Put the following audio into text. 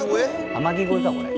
「天城越え」かこれ。